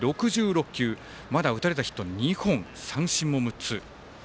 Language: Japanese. ５回６６球まだ打たれたヒット２本三振も６つ。